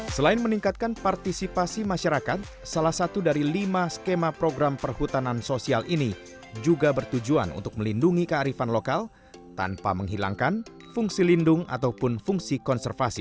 selain meningkatkan partisipasi masyarakat salah satu dari lima skema program perhutanan sosial ini juga bertujuan untuk melindungi kearifan lokal tanpa menghilangkan fungsi lindung ataupun fungsi konservasi